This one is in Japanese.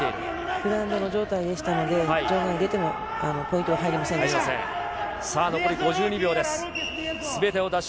グラウンドの状態でしたので、場外出てもポイントは入りませんでした。